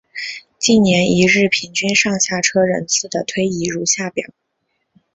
近年一日平均上下车人次的推移如下表。